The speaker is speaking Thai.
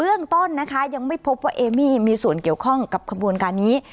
เรื่องต้นนะคะยังไม่พบว่าเอมี่มีส่วนเกี่ยวข้องกับขบวนการนี้